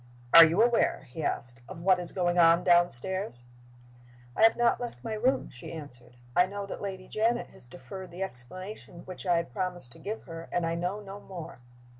"Are you aware," he asked, "of what is going on downstairs?" "I have not left my room," she answered. "I know that Lady Janet has deferred the explanation which I had promised to give her, and I know no more."